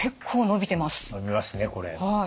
伸びますねこれ。